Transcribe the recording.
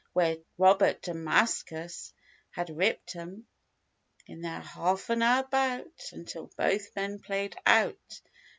Where Robert Damascus had ripped 'em. In their half an hour bout, until both men played out.